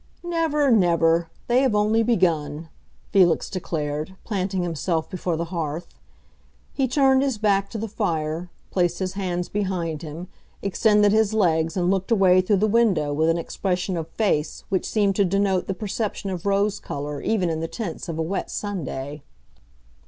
"Never, never! They have only begun," Felix declared, planting himself before the hearth. He turned his back to the fire, placed his hands behind him, extended his legs and looked away through the window with an expression of face which seemed to denote the perception of rose color even in the tints of a wet Sunday.